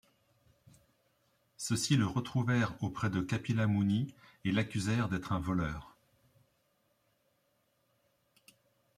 Ceux-ci le retrouvèrent auprès de Kapila Muni et l'accusèrent d'être un voleur.